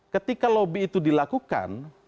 ketika lobby itu dilakukan